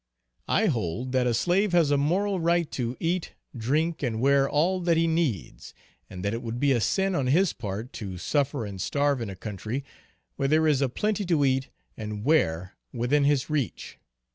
I hold that a slave has a moral right to eat drink and wear all that he needs, and that it would be a sin on his part to suffer and starve in a country where there is a plenty to eat and wear within his reach.